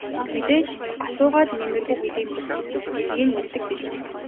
Мэдээж асуугаад нэмэргүй гэдгийг нь мэддэг биз.